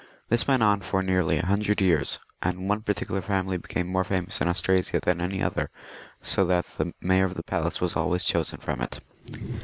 This went on for nearly a hundred years. 28 THE MAYORS OF THE PALACE. [CH. and one particular family became more famous in Austrasia than any other, so that the Mayor of the Palace was always chosen from it.